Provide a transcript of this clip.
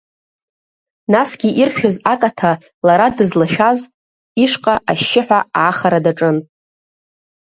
Насгьы иршәыз акаҭа, лара дызлашәаз, ишҟа ашьшьыҳәа аахара даҿын.